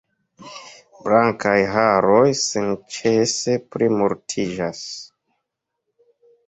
Blankaj haroj senĉese pli multiĝas.